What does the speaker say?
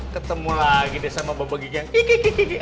ketemu lagi deh sama bapak gigi